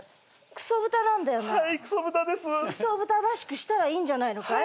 くそ豚らしくしたらいいんじゃないのかい？